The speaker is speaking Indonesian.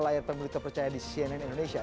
layar pemilu terpercaya di cnn indonesia